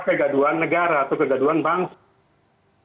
kegaduan negara atau kegaduan bangsa